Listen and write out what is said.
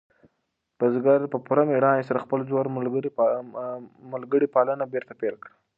بزګر په پوره مېړانې سره د خپل زوړ ملګري پالنه بېرته پیل کړه.